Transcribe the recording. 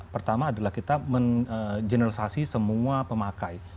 pertama adalah kita menjeneralisasi semua pemakai